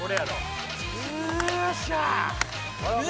よっしゃ。